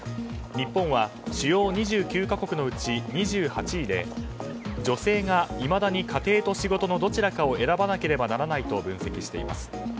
日本は主要２９か国のうち２８位で女性がいまだに家庭と仕事のどちらかを選ばなければならないと分析しています。